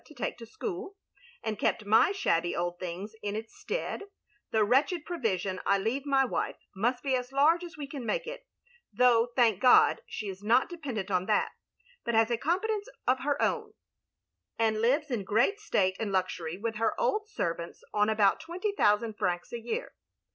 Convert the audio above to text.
to take to school, and kept my shabby old things in its stead, the wretched provision I leave my wife must be as large as we can make it; though, thank God, she is not dependent on that, but has a competence of her own, and lives in great stcUe and luxury with her old servants on about twenty thousand francs a year.